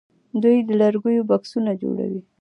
دوی د لرګیو بکسونه جوړوي.